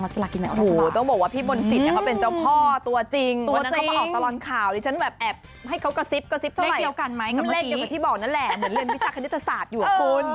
มึงเล่นเกี่ยวกับที่บอกนั่นแหละเหมือนเรียนวิชาคณิตศาสตร์อยู่กับคุณ